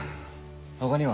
他には？